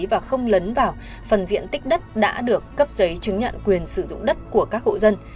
và không lấn vào phần diện tích đất đã được cấp giấy chứng nhận quyền sử dụng đất của các hộ dân